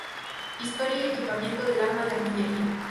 Historia y equipamiento del Arma de Artillería.